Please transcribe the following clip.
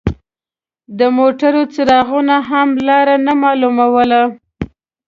د موټر څراغونو هم لار نه مالوموله.